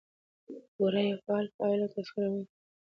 بورا يو فعال فاعل او تسخيروونکى دى؛